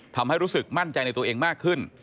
ทำให้รู้สึกมั่นใจในตัวเองมากขึ้น